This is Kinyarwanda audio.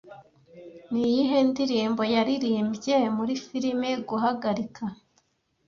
Niyihe ndirimbo yaririmbye muri film Guhagarika